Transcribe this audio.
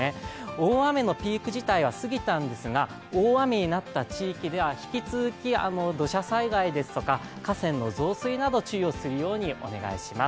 大雨のピーク自体は過ぎたんですが、大雨になった地域では引き続き土砂災害ですとか河川の増水など注意をするようにお願いします。